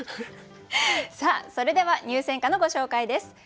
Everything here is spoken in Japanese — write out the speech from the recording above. さあそれでは入選歌のご紹介です。